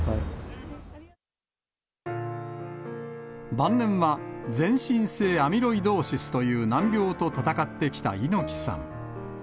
晩年は、全身性アミロイドーシスという難病と闘ってきた猪木さん。